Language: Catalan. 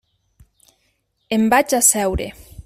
Em vaig asseure.